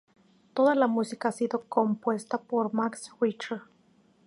Toda la música ha sido compuesta por Max Richter.